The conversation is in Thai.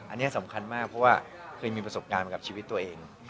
อันนี้สำคัญมากเพราะว่าเคยมีประสบการณ์กับชีวิตตัวเอง